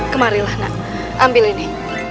kemarilah nak ambil ini